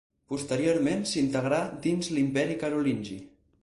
Posteriorment s'integrà dins l'Imperi Carolingi.